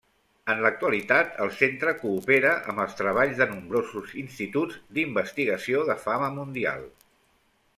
En l'actualitat el centre coopera amb els treballs de nombrosos instituts d'investigació de fama mundial.